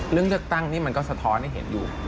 เรื่องเลือกตั้งนี่มันก็สะท้อนให้เห็นอยู่